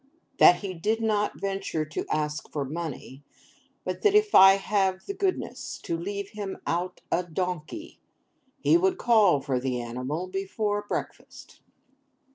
That he did not venture to ask again for money; but that if I would have the goodness to leave him out a donkey, he would call for the animal before breakfast!